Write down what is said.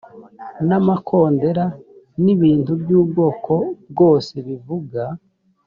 n’amakondera n’ibintu by’ubwoko bwose bivuga